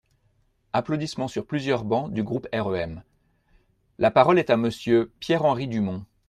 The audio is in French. (Applaudissements sur plusieurs bancs du groupe REM.) La parole est à Monsieur Pierre-Henri Dumont.